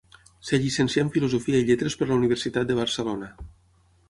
Es llicencià en filosofia i lletres per la Universitat de Barcelona.